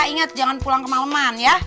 ingat jangan pulang kemaleman ya